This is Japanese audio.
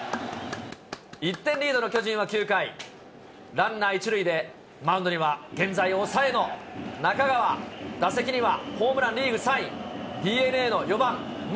１点リードの巨人は９回、ランナー１塁で、マウンドには現在、抑えの中川、打席にはホームランリーグ３位、ＤｅＮＡの４番牧。